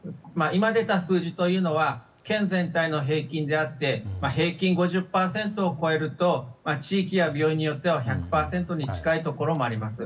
今、出た数字というのは県全体の平均であって平均５０％を超えると地域や病院によっては１００％に近いところもあります。